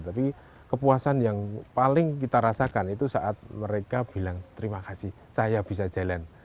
tapi kepuasan yang paling kita rasakan itu saat mereka bilang terima kasih saya bisa jalan